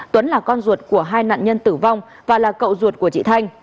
tuấn là con ruột của hai nạn nhân tử vong và là cậu ruột của chị thanh